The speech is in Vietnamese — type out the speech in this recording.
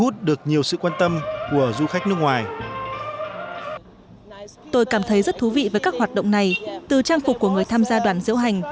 tôi thấy rất thú vị với các hoạt động này từ trang phục của người tham gia đoàn diễu hành